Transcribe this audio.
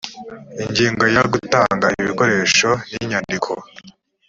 ingingo ya gutunga ibikoresho n inyandiko